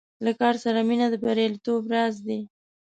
له کار سره مینه د بریالیتوب راز دی.